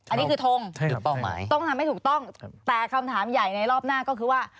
อันนี้คือทงเป้าหมายต้องทำให้ถูกต้องแต่คำถามใหญ่ในรอบหน้าก็คือว่า